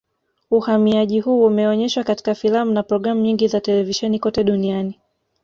Uhamiaji huu umeonyeshwa katika filamu na programu nyingi za televisheni kote duniani